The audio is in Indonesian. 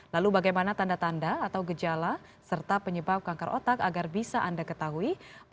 lalu bagaimana tanda tanda atau gejala serta penyebab kanker otak agar bisa anda ketahui